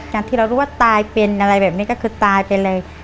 อย่างที่เรารู้ว่าตายเป็นอะไรแบบนี้ก็คือตายไปเลย